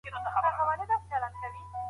سرلوړي ژوند د مېړنیو خلکو په نصیب وي.